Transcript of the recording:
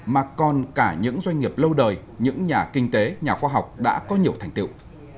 mà còn cả những doanh nghiệp lâu đời những nhà kinh tế nhà khoa học đã có nhiều thành tiệu